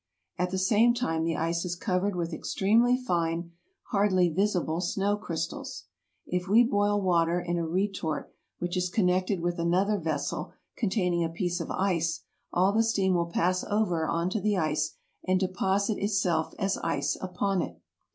At the same time the ice is covered with extremely fine, hardly visible snow crystals. If we boil water in a retort which is connected with another vessel con taining a piece of ice, all the steam will pass over on to the ice and deposit itself as ice upon it.